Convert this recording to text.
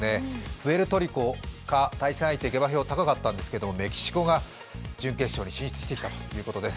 プエルトリコが対戦相手は下馬評が高かったんですけどメキシコが準決勝に進出してきたということです。